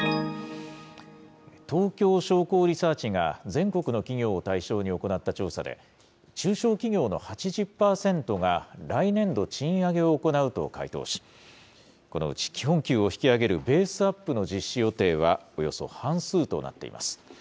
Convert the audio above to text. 東京商工リサーチが全国の企業を対象に行った調査で、中小企業の８０％が、来年度、賃上げを行うと回答し、このうち基本給を引き上げるベースアップの実施予定は、およそ半数となっています。